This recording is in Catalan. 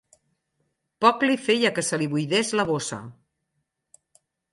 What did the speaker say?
Poc li feia que se li buidés la bossa